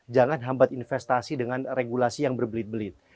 jangan hambat investasi dengan regulasi yang berbelit belit